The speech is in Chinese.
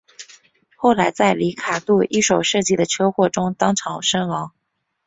后来在里卡度一手设计的车祸中当场身亡。